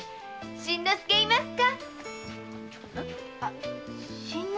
新之助居ますか？